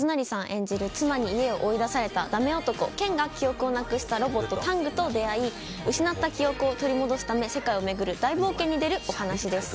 演じる妻に家を追い出されただめ男・健が記憶を残したロボットのタングが失った記憶を取り戻すため世界を巡る大冒険に出るお話です。